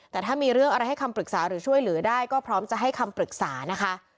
แต่มีเรื่องอะไรก็ให้ช่วยหรือปรึกษาซึ่งพร้อมให้คำปรึกษานะคะ